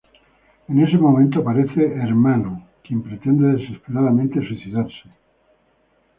En ese momento aparece Ermanno, quien pretende desesperadamente suicidarse.